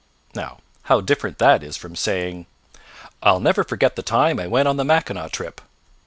Now, how different that is from saying: "I'll never forget the time I went on the Mackinaw trip."